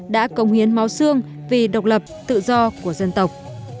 đã công hiến máu xương vì độc lập tự do của dân tộc